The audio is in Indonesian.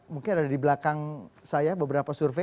mungkin ada di belakang saya beberapa survei